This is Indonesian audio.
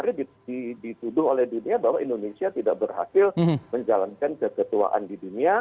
karena dituduh oleh dunia bahwa indonesia tidak berhasil menjalankan kesetuaan di dunia